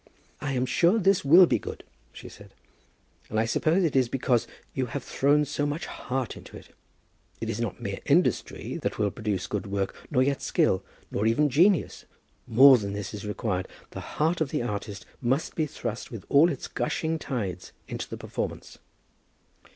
"I am sure this will be good," she said, "and I suppose it is because you have thrown so much heart into it. It is not mere industry that will produce good work, nor yet skill, nor even genius: more than this is required. The heart of the artist must be thrust with all its gushing tides into the performance."